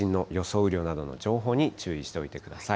雨量などの情報に注意しておいてください。